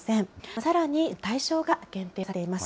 さらに、その対象が限定されています。